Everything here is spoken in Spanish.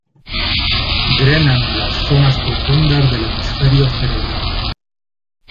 Drenan las zonas profundas del hemisferio cerebral.